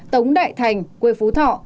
tống đại thành quê phú thọ